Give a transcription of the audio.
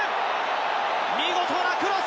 見事なクロス！